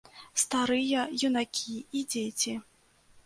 Старыя, юнакі і дзеці.